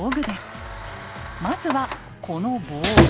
まずはこの棒。